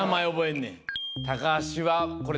高橋はこれ。